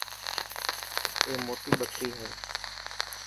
اي موٽي ٻڪري هي.